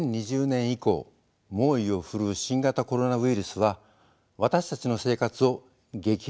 ２０２０年以降猛威を振るう新型コロナウイルスは私たちの生活を激変させました。